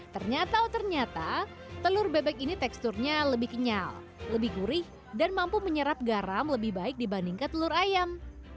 ternyata ternyata telur bebek ini teksturnya lebih kenyal lebih gurih dan mampu menyerap garam lebih baik dibandingkan telur ayam